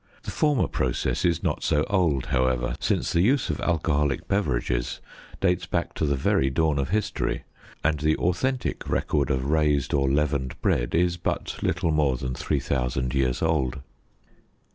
The former process is not so old, however, since the use of alcoholic beverages dates back to the very dawn of history, and the authentic record of raised or leavened bread is but little more than 3000 years old.